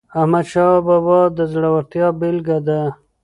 احمدشاه بابا د زړورتیا بېلګه ده.